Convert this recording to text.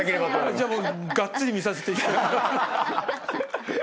じゃあもうがっつり見させていただきます。